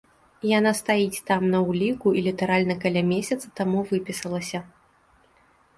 Яна стаіць там на ўліку і літаральна каля месяца таму выпісалася.